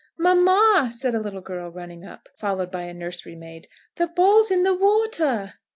"Mamma," said a little girl, running up, followed by a nursery maid, "the ball's in the water!"